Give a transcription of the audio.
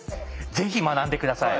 ぜひ学んで下さい。